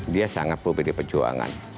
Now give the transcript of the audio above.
dia sangat berpilih perjuangan